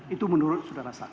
itu menurut sudara saksi